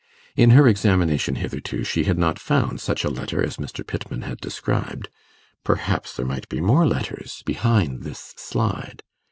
In her examination hitherto she had not found such a letter as Mr. Pittman had described perhaps there might be more letters behind this slide.